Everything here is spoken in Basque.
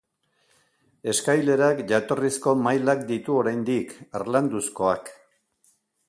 Eskailerak jatorrizko mailak ditu oraindik, harlanduzkoak.